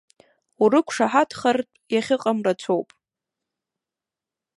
Урықәшаҳаҭхартә иахьыҟам рацәоуп.